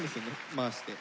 回して。